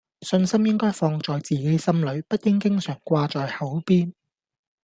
信心應該放在自己心裡，不應經常掛在口邊